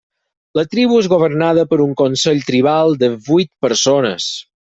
La tribu és governada per un consell tribal de vuit persones.